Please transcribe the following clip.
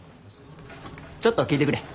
ちょっと聞いてくれ。